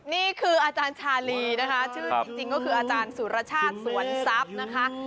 นี่คืออาจารย์ชาลีนะคะชื่อจริงก็คืออาจารย์สุรชาติสวนทรัพย์นะคะ